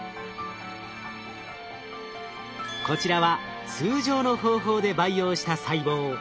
こちらは通常の方法で培養した細胞。